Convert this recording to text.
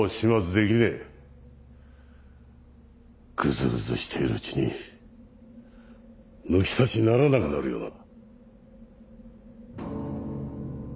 ぐずぐずしているうちに抜き差しならなくなるような。